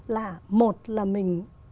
là một là mình